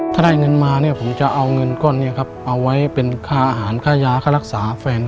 ถ้าได้เงินมาเนี่ยผมจะเอาเงินก้อนนี้ครับเอาไว้เป็นค่าอาหารค่ายาค่ารักษาแฟน